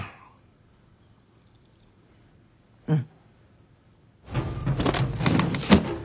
うん。